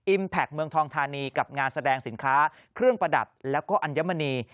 แพคเมืองทองทานีกับงานแสดงสินค้าเครื่องประดับแล้วก็อัญมณี